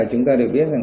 chúng ta được biết rằng